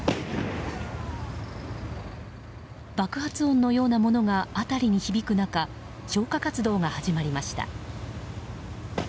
爆発音のようなものが辺りに響く中消火活動が始まりました。